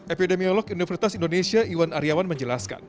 epidemiolog universitas indonesia iwan aryawan menjelaskan